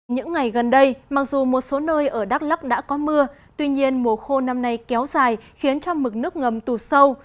những ngày gần đây mặc dù một số nơi ở đắk lắk đã có mưa tuy nhiên mùa khô năm nay kéo dài khiến cho mực nước ngầm tụt sâu